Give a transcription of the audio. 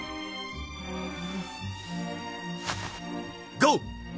ゴー！